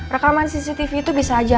rekaman cctv itu bisa aja